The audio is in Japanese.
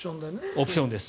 オプションです。